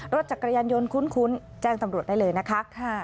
รถจักรยานยนต์คุ้นแจ้งตำรวจได้เลยนะคะ